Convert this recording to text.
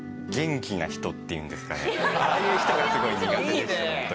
ああいう人がすごい苦手でしたホントに。